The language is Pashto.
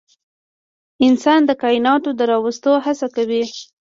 انسان د کایناتو د راوستو هڅه کوي.